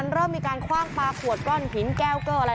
เริ่มมีกรั่งคว้างปลาขวดก้อนผีนแก้วเกอออะไร